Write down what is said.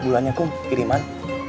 berapa bulannya akum kiriman